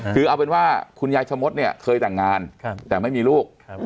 คือเอาเป็นว่าคุณยายชะมดเนี่ยเคยแต่งงานแต่ไม่มีลูก